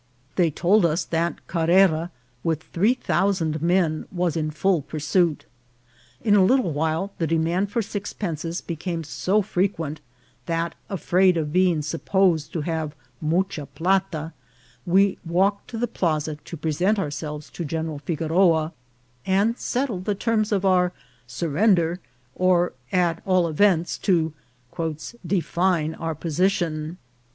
They told us that Carrera, with three thousand men, was in full pursuit. In a little while the demand for sixpences became so frequent, that, afraid of being supposed to have mucha plata, we walked to the plaza to present ourselves to General Figoroa, and settle the terms of our surrender, or, at all events, to " define our position."